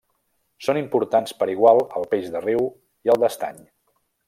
Són importants per igual el peix de riu i el d'estany.